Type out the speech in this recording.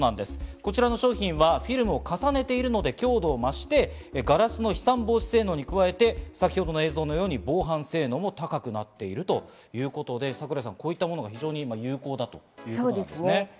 こちらの商品はフィルムを重ねているので強度を増して、ガラスの飛散防止性能に加えて防犯性能も高くなっているということで、桜井さん、こういったものが有効なんですね。